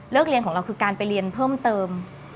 เรียนของเราคือการไปเรียนเพิ่มเติม